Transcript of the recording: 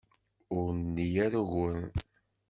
Ur nli ara uguren.